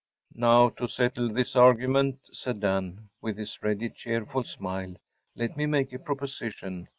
‚ÄĚ “Now, to settle this argument,‚ÄĚ said Dan, with his ready, cheerful smile, “let me make a proposition.